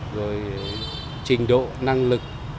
rồi trình độ năng lượng